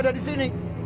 tidak ada di sini